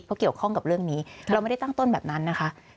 เพราะเกี่ยวข้องกับเรื่องนี้เราไม่ได้ตั้งต้นแบบนั้นนะคะ